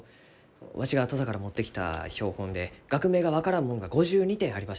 わしが土佐から持ってきた標本で学名が分からんもんが５２点ありました。